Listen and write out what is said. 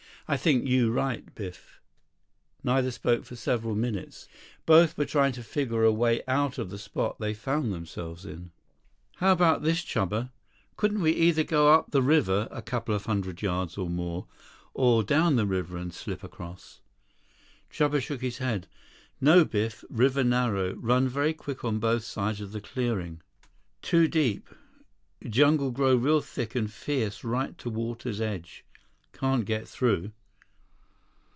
83 "I think you right, Biff." Neither spoke for several minutes. Both were trying to figure a way out of the spot they found themselves in. "How about this, Chuba? Couldn't we either go up the river a couple hundred yards or more, or down the river and slip across?" Chuba shook his head. "No, Biff. River narrow, run very quick on both sides of the clearing. Too deep. Jungle grow real thick and fierce right to water's edge. Can't get through."